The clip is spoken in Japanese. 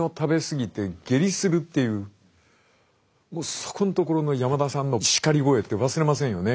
そこんところの山田さんの叱り声って忘れませんよね。